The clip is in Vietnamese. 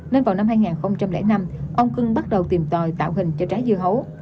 nên vào năm hai nghìn năm ông cưng bắt đầu tìm tòi tạo hình cho trái dưa hấu